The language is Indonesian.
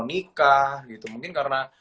nikah gitu mungkin karena